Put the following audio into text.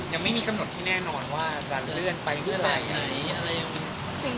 ยังไม่มีคำนวจที่แน่นอนว่าจะเลื่อนไปเมื่อไหร่